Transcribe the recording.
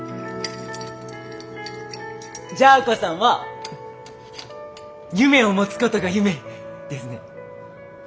じゃあ亜子さんは夢を持つことが夢ですね。